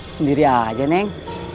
sendiri aja neng